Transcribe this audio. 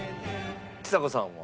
ちさ子さんは？